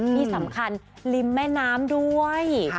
ที่สำคัญริมแม่น้ำด้วย